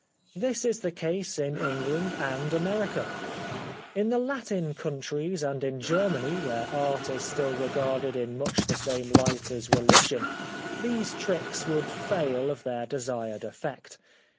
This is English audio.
This is the case in England and America. In the Latin countries and in Germany where art is still regarded in 162 The Life of Oscar Wilde much the same hght as rehgion these tricks would fail of their desired effect.